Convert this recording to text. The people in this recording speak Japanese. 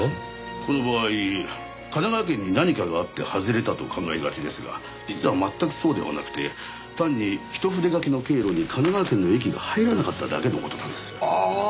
この場合神奈川県に何かがあって外れたと考えがちですが実は全くそうではなくて単に一筆書きの経路に神奈川県の駅が入らなかっただけの事なんです。ああ！